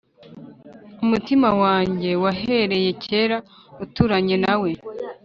Umutima wanjye wahereye kera Uturanye nawe